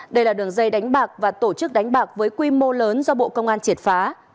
đây là đường dây đánh bạc và tổ chức đánh bạc với quy mô lớn do bộ công an triệt phá